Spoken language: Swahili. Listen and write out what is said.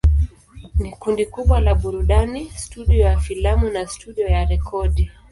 Ni kundi kubwa la burudani, studio ya filamu na studio ya rekodi.